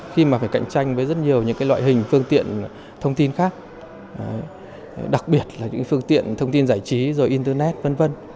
khi mà phải cạnh tranh với rất nhiều những loại hình phương tiện thông tin khác đặc biệt là những phương tiện thông tin giải trí rồi internet v v